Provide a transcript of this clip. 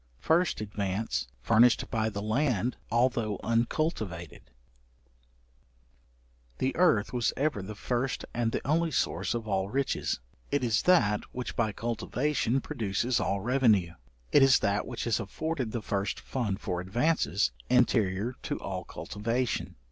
First advance furnished by the land although uncultivated. The earth was ever the first and the only source of all riches: it is that which by cultivation produces all revenue; it is that which has afforded the first fund for advances, anterior to all cultivation.